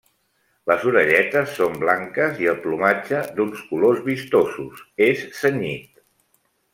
Les orelletes són blanques i el plomatge, d'uns colors vistosos, és cenyit.